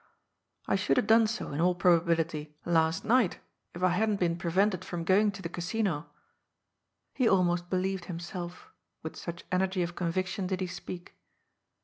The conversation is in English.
I should have done so, in all probability, last night, if I hadn't been prevented from going to the Casino.'' He almost believed himself, with such energy of convic tion did he speak.